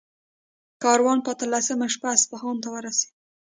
کاروان په اتلسمه شپه اصفهان ته ورسېد.